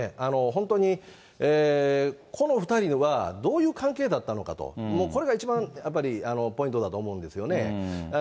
本当に、この２人はどういう関係だったのかと、これが一番、やっぱりポイントだと思うんですよ。